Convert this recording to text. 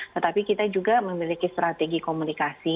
tetapi kita juga memiliki strategi komunikasi